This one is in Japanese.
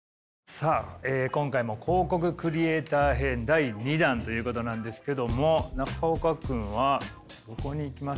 さあ今回も広告クリエーター編第２弾ということなんですけども中岡君はどこに行きました？